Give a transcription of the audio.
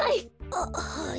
あっはい。